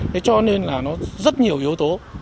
thế cho nên là nó rất nhiều yếu tố